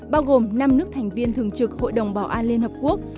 bao gồm năm nước thành viên thường trực hội đồng bảo an liên hợp quốc